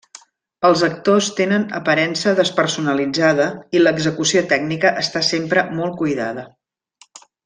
Els actors tenen aparença despersonalitzada i l'execució tècnica està sempre molt cuidada.